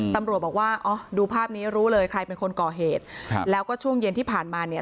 ตำรวจบอกว่าอ๋อดูภาพนี้รู้เลยใครเป็นคนก่อเหตุครับแล้วก็ช่วงเย็นที่ผ่านมาเนี่ย